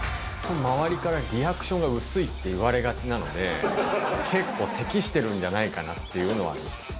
周りからリアクションが薄いって言われがちなので、結構適してるんじゃないかなっていうのはあります。